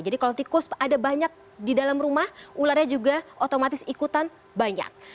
jadi kalau tikus ada banyak di dalam rumah ularnya juga otomatis ikutan banyak